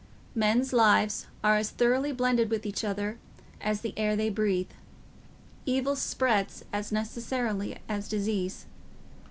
Men's lives are as thoroughly blended with each other as the air they breathe: evil spreads as necessarily as disease.